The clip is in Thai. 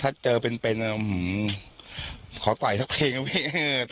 ถ้าเจอเป็นหน่าหือ